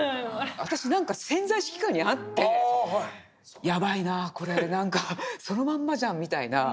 私何か潜在意識下にあってやばいなこれ何かそのまんまじゃんみたいな。